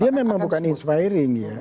dia memang bukan inspiring ya